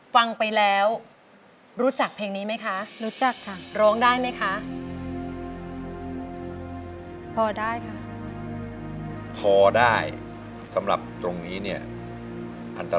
ฟังไปแล้วรู้จักเพลงนี้ไหมคะ